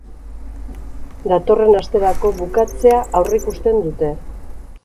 Datorren asterako bukatzea aurreikusten dute.